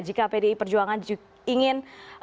jika pdi perjuangan ingin